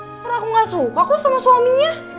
karena aku gak suka kok sama suaminya